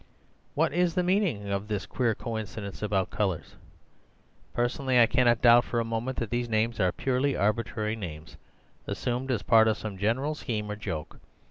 "What is the meaning of this queer coincidence about colours? Personally I cannot doubt for a moment that these names are purely arbitrary names, assumed as part of some general scheme or joke.